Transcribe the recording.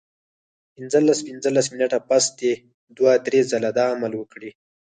پنځلس پنځلس منټه پس دې دوه درې ځله دا عمل وکړي